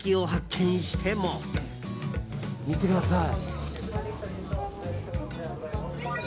見てください！